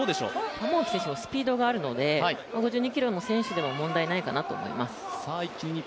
玉置選手もスピードあるので５２キロの選手でも問題ないかなと思います。